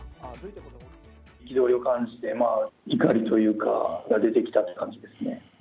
憤りを感じて、怒りというか、が、出てきたという感じですね。